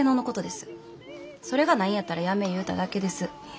それがないんやったらやめえ言うただけです。